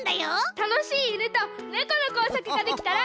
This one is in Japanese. たのしいいぬとねこのこうさくができたら。